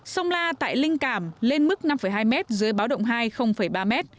sông la tại linh cảm lên mức năm hai m dưới báo động hai ba m